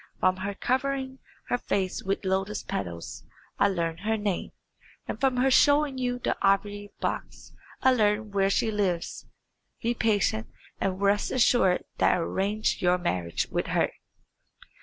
From her covering her face with lotus petals I learn her name, and from her showing you the ivory box I learn where she lives. Be patient, and rest assured that I will arrange your marriage with her."